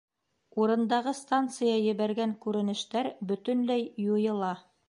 Урындағы станция ебәргән күренештәр бөтөнләй юйыла